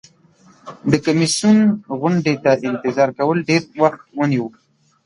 د کمیسیون غونډې ته انتظار کول ډیر وخت ونیو.